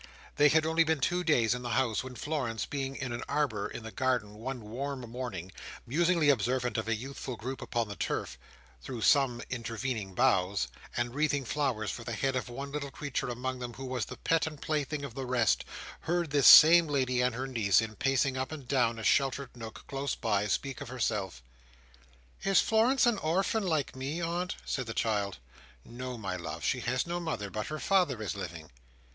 They had only been two days in the house, when Florence, being in an arbour in the garden one warm morning, musingly observant of a youthful group upon the turf, through some intervening boughs,—and wreathing flowers for the head of one little creature among them who was the pet and plaything of the rest, heard this same lady and her niece, in pacing up and down a sheltered nook close by, speak of herself. "Is Florence an orphan like me, aunt?" said the child. "No, my love. She has no mother, but her father is living."